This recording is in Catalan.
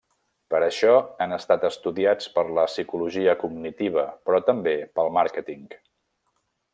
Per això, han estat estudiats per la psicologia cognitiva però també pel màrqueting.